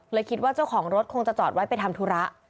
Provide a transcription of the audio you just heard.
คิดว่าเจ้าของรถคงจะจอดไว้ไปทำธุระ